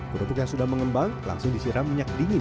kerupuk yang sudah mengembang langsung disiram minyak dingin